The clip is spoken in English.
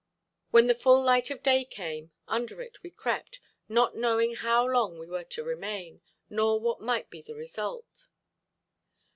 When the full light of day came, under it we crept, not knowing how long we were to remain, nor what might be the result.